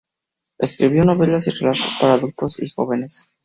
Escribió novelas y relatos para adultos y jóvenes.